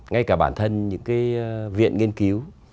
ngay cả bản thân những cái viện nghiên cứu